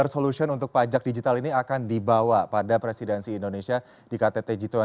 solution untuk pajak digital ini akan dibawa pada presidensi indonesia di kttg dua puluh